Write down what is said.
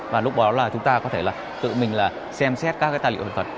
và lúc đó là chúng ta có thể là tự mình là xem xét các cái tài liệu hiện vật